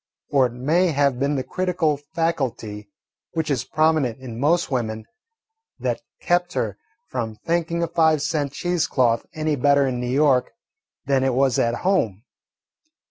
Or it may have been the critical faculty, which is prominent in most women, that kept her from thinking a five cent cheese cloth any better in New York than it was at home.